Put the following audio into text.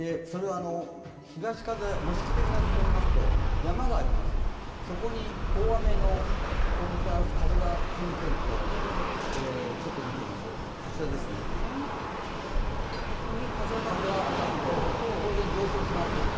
東風、模式的な図で見ますと山があります、そこに大雨をもたらす風が吹き抜けると、ここに風が当たると当然上昇しますよね。